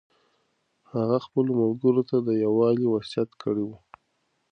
هغه خپلو ملګرو ته د یووالي وصیت کړی و.